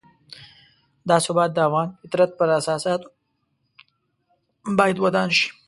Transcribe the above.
دا ثبات د افغان فطرت پر اساساتو باید ودان شي.